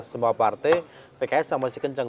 semua partai pks sama masih kencang